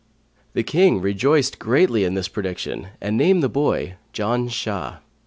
The King rejoiced greatly in this prediction and named the boy Janshah.